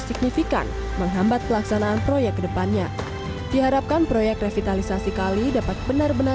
signifikan menghambat pelaksanaan proyek kedepannya diharapkan proyek revitalisasi kali dapat benar benar